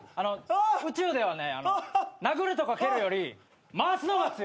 宇宙ではね殴るとか蹴るより回すのが強い。